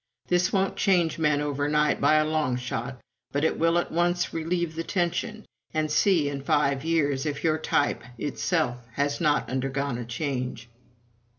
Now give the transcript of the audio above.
This won't change men over night by a long shot, but it will at once relieve the tension and see, in five years, if your type itself has not undergone a change."